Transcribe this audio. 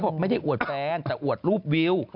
บอกไม่ได้อวดแฟนแต่อวดรูปวิว